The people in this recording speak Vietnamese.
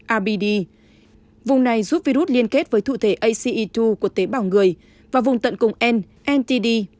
abd vùng này giúp virus liên kết với thụ thể ace hai của tế bảo người và vùng tận cùng n ntd